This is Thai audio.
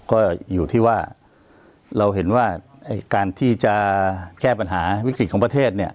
ก็อยู่ที่ว่าเราเห็นว่าการที่จะแก้ปัญหาวิกฤตของประเทศเนี่ย